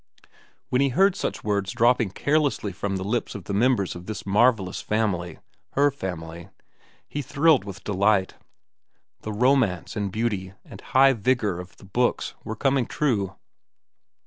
When he heard such words dropping carelessly from the lips of the members of this marvellous family, her family, he thrilled with delight. The romance, and beauty, and high vigor of the books were coming true.